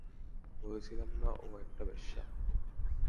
বলেছিলাম না, ও একটা বেশ্যা!